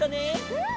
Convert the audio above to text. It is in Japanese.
うん！